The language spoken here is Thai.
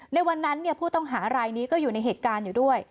ในวันนั้นผู้ต้องหารายนี้ก็อยู่ในเหตุการณ์อยู่ด้วย